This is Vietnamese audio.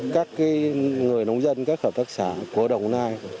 các người nông dân các hợp tác xã của đồng nai